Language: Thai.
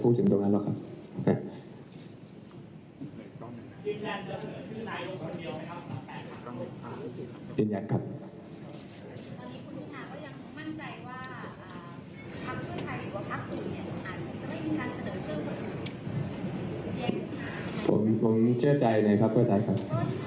ผมเชื่อใจในภาพเพื่อไทยครับ